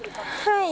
はい。